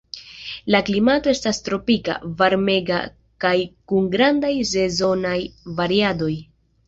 La klimato estas tropika, varmega kaj kun grandaj sezonaj variadoj.